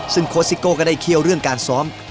ซึ่งโค้ชซิโก้ก็ได้เคี่ยวเรื่องการซ้อม